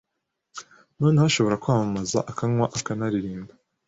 Noneho ashobora kwamamaza akanywa akanaririmba